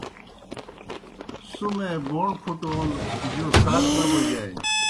سُمے بوݨ پُھٹَون جو سات نہ بوجانیْ۔